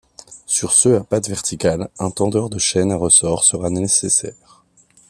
Sur ceux à pattes verticales, un tendeur de chaîne à ressort sera nécessaire.